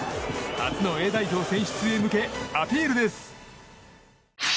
初のＡ代表選出へ向けアピールです。